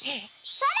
それ！